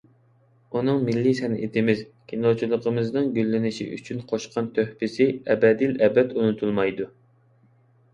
ئۇنىڭ مىللىي سەنئىتىمىز، كىنوچىلىقىمىزنىڭ گۈللىنىشى ئۈچۈن قوشقان تۆھپىسى ئەبەدىلئەبەد ئۇنتۇلمايدۇ.